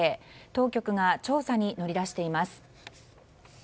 当局が調査に乗り出しています。